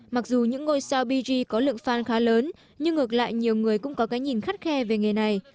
mặc dù những ngôi sao bg có lượng phan khá lớn nhưng ngược lại nhiều người cũng có cái nhìn khắt khe về nghề này